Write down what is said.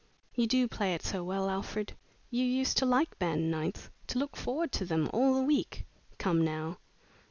You do play it so well, Alfred. You used to like band nights to look forward to them all the week. Come, now!"